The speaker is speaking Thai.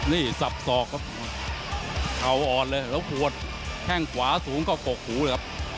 นี่สับสอกครับเข่าอ่อนเลยแล้วหัวแข้งขวาสูงก็กกหูเลยครับ